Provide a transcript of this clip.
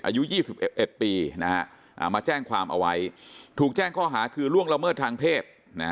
อายุ๒๑ปีมาแจ้งความเอาไว้ถูกแจ้งข้อหาคือล่วงละเมิดทางเพศ